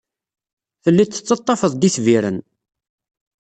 Tellid tettaḍḍafed-d itbiren.